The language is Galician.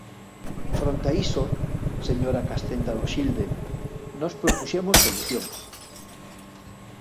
Fronte a iso, señora Castenda Loxilde, nós propuxemos solucións.